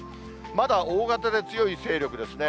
まだ大型で強い勢力ですね。